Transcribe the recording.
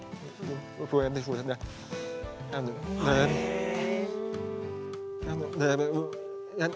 へえ。